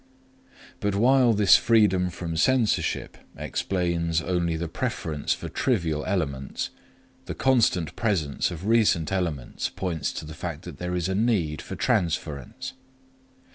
But while this freedom from censorship explains only the preference for trivial elements, the constant presence of recent elements points to the fact that there is a need for transference.